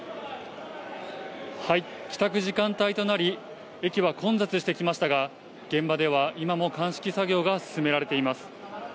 帰宅時間帯となり、駅は混雑してきましたが、現場では今も鑑識作業が進められています。